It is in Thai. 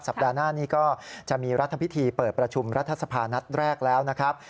ปัดหน้านี้ก็จะมีรัฐพิธีเปิดประชุมรัฐสภานัดแรกแล้วนะครับ